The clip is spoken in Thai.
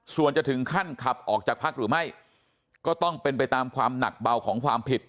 ส่วนจะถึงขั้นขับออกจากพักหรือไม่ก็ต้องเป็นไปตามความหนักเบาของความผิด